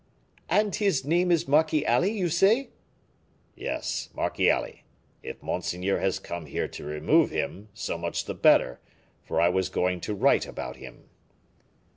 "And his name is Marchiali, you say?" "Yes, Marchiali. If monseigneur has come here to remove him, so much the better, for I was going to write about him."